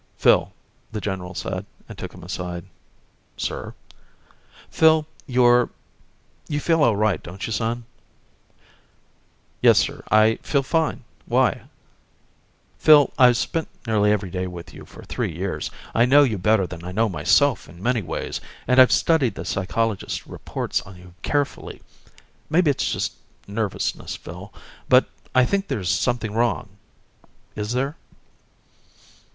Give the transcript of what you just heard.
"Phil," the general said, and took him aside. "Sir?" "Phil, you're ... you feel all right, don't you, son?" "Yes, sir. I feel fine. Why?" "Phil, I've spent nearly every day with you for three years. I know you better than I know myself in many ways. And I've studied the psychologist's reports on you carefully. Maybe it's just nervousness, Phil, but I think there's something wrong. Is there?"